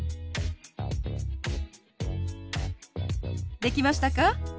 できましたか？